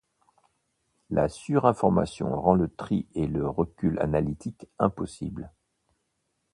La surinformation rend le tri et le recul analytique impossible.